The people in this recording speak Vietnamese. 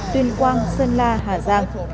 tuyên quang sơn la hà giang